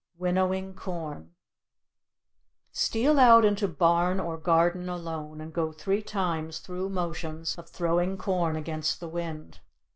WINNOWING CORN Steal out into barn or garden alone and go three times through motions of throwing corn against the wind.